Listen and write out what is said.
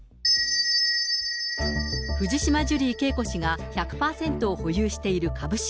藤島ジュリー景子氏が１００％を保有している株式。